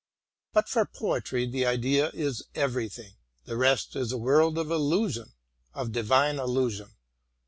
But for poetry the idea is everything : the rest is a world of illusion, of divine illusion.